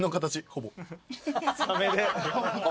ほぼサメ。